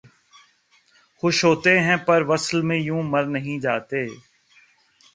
خوش ہوتے ہیں پر وصل میں یوں مر نہیں جاتے